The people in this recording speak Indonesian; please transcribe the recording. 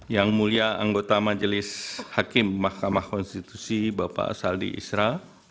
yang mulia anggota majelis hakim mahkamah konstitusi bapak saldi isra